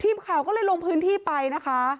ทีมข่าวก็เลยลงพื้นที่ไปนะคะ